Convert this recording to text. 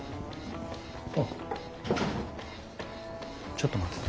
ちょっと待ってて。